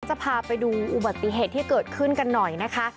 จะพาไปดูอุบัติเหตุที่เกิดขึ้นกันหน่อยนะคะ